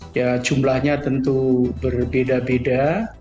ya jumlahnya tentu berbeda beda